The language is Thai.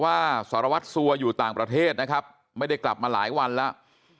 สารวัตรสัวอยู่ต่างประเทศนะครับไม่ได้กลับมาหลายวันแล้ว